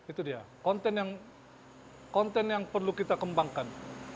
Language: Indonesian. itu dia konten yang perlu kita kembangkan